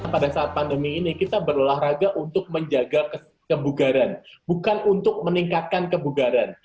pada saat pandemi ini kita berolahraga untuk menjaga kebugaran bukan untuk meningkatkan kebugaran